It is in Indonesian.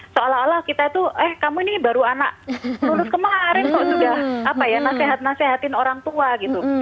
seolah olah kita tuh eh kamu ini baru anak lulus kemarin kok sudah apa ya nasihat nasihatin orang tua gitu